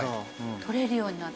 取れるようになった。